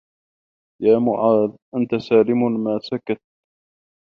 يَا مُعَاذُ أَنْتَ سَالِمٌ مَا سَكَتَّ